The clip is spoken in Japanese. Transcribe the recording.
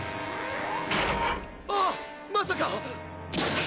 あぁまさか！